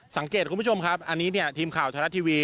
สังเกตคุณผู้ชมครับอันนี้ทีมข่าวทวายละทีวี